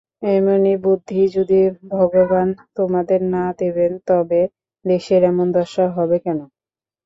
এমনি বুদ্ধি যদি ভগবান তোমাদের না দেবেন তবে দেশের এমন দশা হবে কেন?